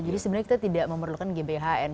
jadi sebenarnya kita tidak memerlukan gbhn